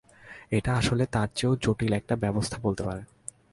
এটা আসলে তার চেয়েও জটিল একটা ব্যবস্থা বলতে পারেন।